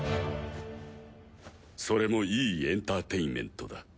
それもいいエンターテインメントだ。